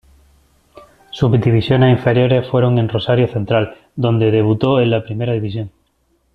Sus divisiones inferiores fueron en Rosario Central donde debutó en la Primera División.